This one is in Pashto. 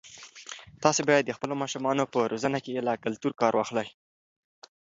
تاسي باید د خپلو ماشومانو په روزنه کې له کلتور کار واخلئ.